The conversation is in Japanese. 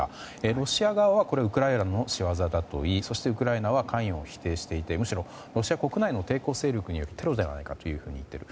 ロシア側はウクライナの仕業だと言いそして、ウクライナは関与を否定していてむしろロシア国内の抵抗勢力によるテロではないかと言っている。